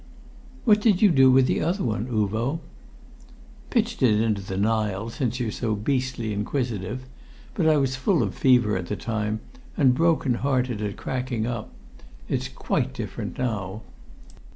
"What did you do with the other one, Uvo?" "Pitched it into the Nile, since you're so beastly inquisitive. But I was full of fever at the time, and broken hearted at cracking up. It's quite different now."